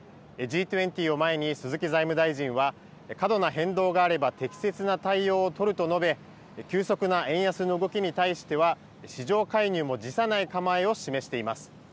Ｇ２０を前に、鈴木財務大臣は、過度な変動があれば適切な対応を取ると述べ、急速な円安の動きに対しては、市場介入も辞さない考えを示しています。